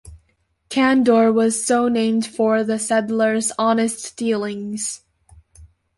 Candor was so named for the settlers' honest dealings.